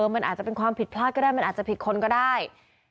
มันอาจจะเป็นความผิดพลาดก็ได้มันอาจจะผิดคนก็ได้